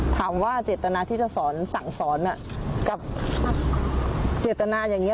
ถามว่าเจตนาที่จะสอนสั่งสอนกับเจตนาอย่างนี้